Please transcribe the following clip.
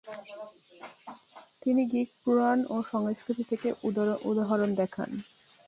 তিনি গ্রিক পুরাণ ও সংস্কৃতি থেকে উদাহরণ দেখান।